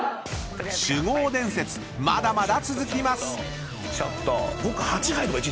［酒豪伝説まだまだ続きます！］